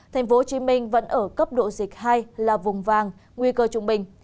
tp hcm vẫn ở cấp độ dịch hai là vùng vàng nguy cơ trung bình